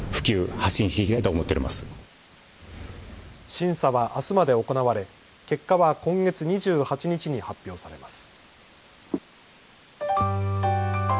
審査はあすまで行われ結果は今月２８日に発表されます。